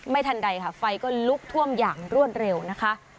ทันใดค่ะไฟก็ลุกท่วมอย่างรวดเร็วนะคะ